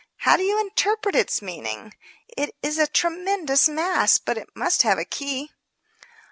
How do you interpret its meaning? It is a tremendous mass, but it must have a key."